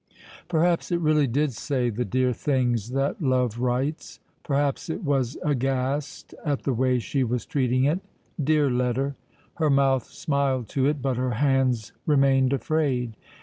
Perhaps it really did say the dear things that love writes. Perhaps it was aghast at the way she was treating it. Dear letter! Her mouth smiled to it, but her hands remained afraid.